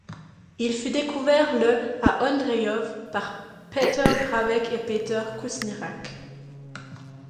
Il fut découvert le à Ondřejov par Petr Pravec et Peter Kušnirák.